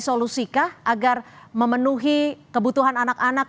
solusi kah agar memenuhi kebutuhan anak anak